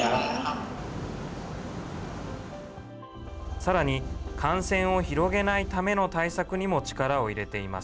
さらに、感染を広げないための対策にも力を入れています。